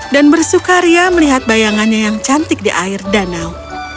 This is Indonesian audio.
dan bersukaria melihat bayangannya yang cantik di air danau